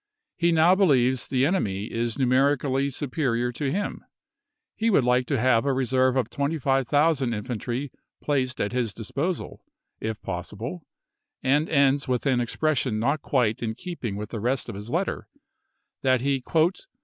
He now believes the enemy is numeri cally superior to him ; he would like to have a reserve of 25,000 infantry placed at his disposal, if possible, and ends with an expression not quite Hooker to in keeping with the rest of his letter, that he MamiSls.